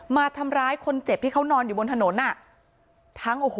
มาทำร้ายคนเจ็บที่เขานอนอยู่บนถนน